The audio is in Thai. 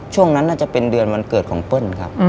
ช่วงนั้นน่าจะเป็นเดือนวันเกิดของเปิ้ลครับ